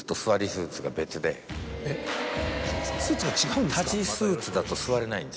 えっスーツが違うんですか。